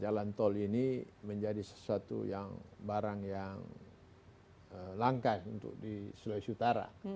jalan tol ini menjadi sesuatu yang barang yang langka untuk di sulawesi utara